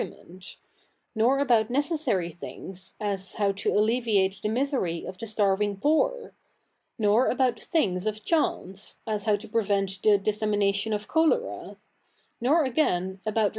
liament ; nor about necessary things, as hotv to alleviate the misery of the stai'ving poor ; ?wr about things of chance^ as how to prevent the dissemin atiofi of cholera ; nor, again, about re?